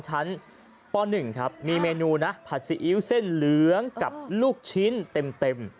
ป๑ครับมีเมนูนะผัดซีอิ๊วเส้นเหลืองกับลูกชิ้นเต็ม